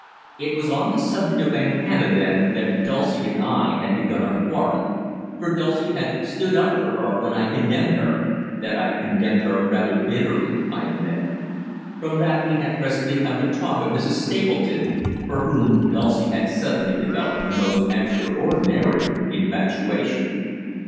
It was on the subject of Aunt Hannah, then, that Dulcie and I had begun our quarrel, for Dulcie had stood up for her when I condemned her that I condemned her rather bitterly, I admit. From that we had presently come to talk of Mrs. Stapleton, for whom Dulcie had suddenly developed a most extraordinary infatuation.